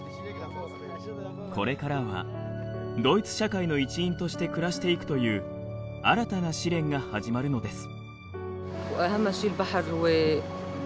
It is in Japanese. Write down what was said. これからはドイツ社会の一員として暮らしていくという新たな試練が始まるのです。